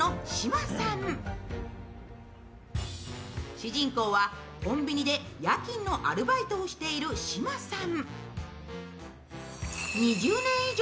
主人公はコンビニで夜勤のアルバイトをしている島さん。